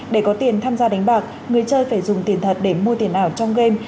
để có tiền tham gia đánh bạc người chơi phải dùng tiền thật để mua tiền ảo trong game